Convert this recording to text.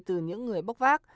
từ những người bóc vác